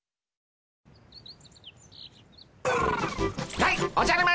やいおじゃる丸